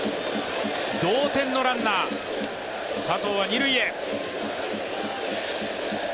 同点のランナー、佐藤は二塁へ！